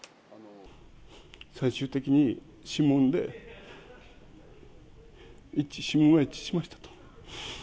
最終的に指紋で、指紋が一致しましたと。